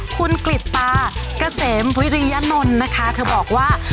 คุณกฤตปาเกษมฟุรียะนนท์นะคะเธอบอกว่า